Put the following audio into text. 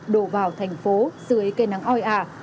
đổ vào thành phố dưới cây nắng oi ả